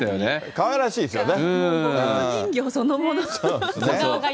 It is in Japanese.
かわいらしいですよね。